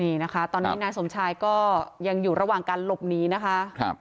นี่นะคะตอนนี้นายสมชายก็ยังอยู่ระหว่างการหลบหนีนะคะ